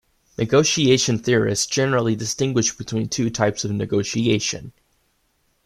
Negotiation theorists generally distinguish between two types of negotiation.